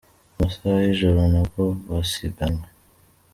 Mu masaha y’ijoro na bwo basiganwe.